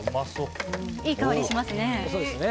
いい香りしますね。